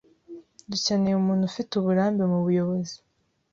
Dukeneye umuntu ufite uburambe mubuyobozi.